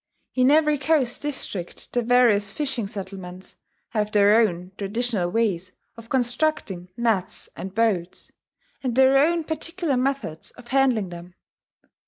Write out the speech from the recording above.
In every coast district the various fishing settlements have their own traditional ways of constructing nets and boats, and their own particular methods of handling them.